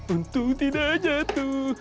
untuk tidak jatuh